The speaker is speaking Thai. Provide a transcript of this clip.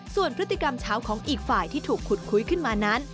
ส่วนพฤติกรรมเช้าของอีกฝ่ายที่ถูกขุดคุยขึ้นมานั้น